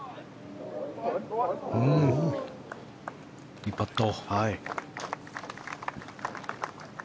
いいパット。